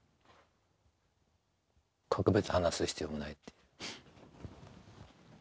特別話す必要もないって。